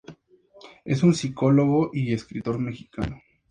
Es un psicólogo y escritor mexicano.